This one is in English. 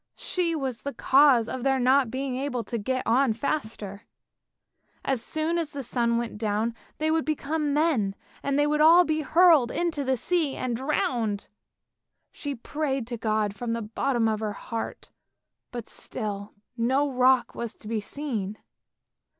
she was the cause of their not being able to get on faster; as soon as the sun went down they would become men, and they would all be hurled into the sea and drowned. She prayed to God from the bottom of her heart, but still no rock was to be seen!